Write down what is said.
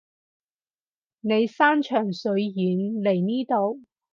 你山長水遠嚟呢度